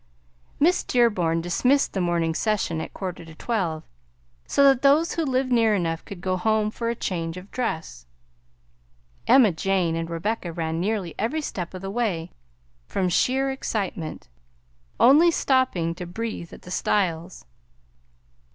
Miss Dearborn dismissed the morning session at quarter to twelve, so that those who lived near enough could go home for a change of dress. Emma Jane and Rebecca ran nearly every step of the way, from sheer excitement, only stopping to breathe at the stiles.